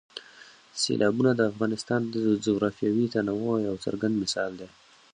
سیلابونه د افغانستان د جغرافیوي تنوع یو څرګند مثال دی.